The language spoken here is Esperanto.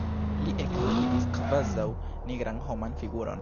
Li ekvidis kvazaŭ nigran homan figuron.